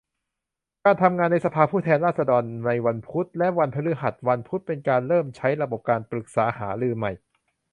การทำงานในสภาผู้แทนราษฎรในวันพุธ และ วันพฤหัส วันพุธเป็นการเริ่มใช้ระบบการปรึกษาหารือใหม่